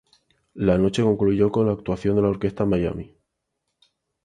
La noche concluyó con la actuación de la Orquesta "Miami".